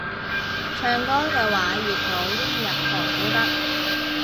唱歌嘅話粵普英日韓都得